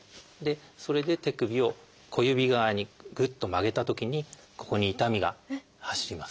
それで手首を小指側にグッと曲げたときにここに痛みが発します。